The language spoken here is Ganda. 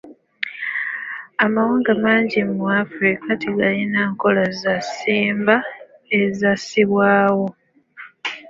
Amawanga mangi mu Afrika tegalina nkola za ssimba ezassibwawo.